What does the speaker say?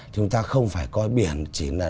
chúng ta không phải coi biển chỉ là